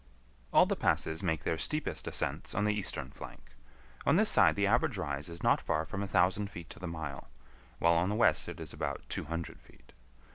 All the passes make their steepest ascents on the eastern flank. On this side the average rise is not far from a thousand feet to the mile, while on the west it is about two hundred feet.